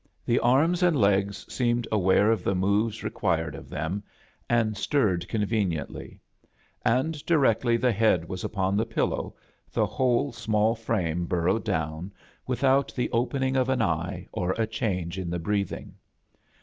The arms and legs seemed aware of the moves re quired of them, and stirred conveniently; and directly the head was open the piQow . the whole small frame burrowed down, without the opening of an eye or a change in the breathing.